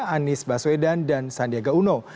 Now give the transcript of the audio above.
anies baswedan dan sandiaga uno